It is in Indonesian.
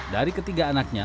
dari ketiga anaknya